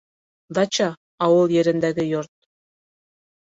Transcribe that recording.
Дача, ауыл ерендәге йорт